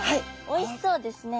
おいしそうですね。